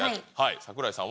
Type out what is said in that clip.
櫻井さんは。